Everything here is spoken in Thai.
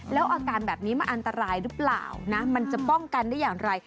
แล้วอาการแบบนี้มันอันตรายหรือเปล่านะมันจะป้องกันได้อย่างไร